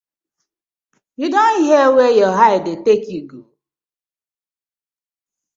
Yu don hear where yur eye dey tak you dey go.